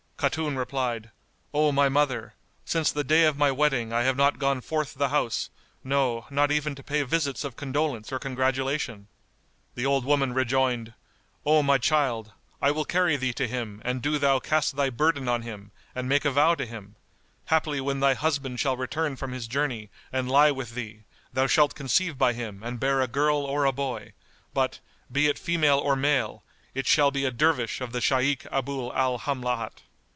Khatun replied, "O my mother, since the day of my wedding I have not gone forth the house, no, not even to pay visits of condolence or congratulation." The old woman rejoined, "O my child, I will carry thee to him and do thou cast thy burden on him and make a vow to him: haply when thy husband shall return from his journey and lie with thee thou shalt conceive by him and bear a girl or a boy: but, be it female or male, it shall be a dervish of the Shaykh Abu al Hamlat."